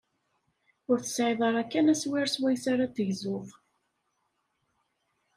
Ur tesɛiḍ ara kan aswir swayes ara t-tegzuḍ.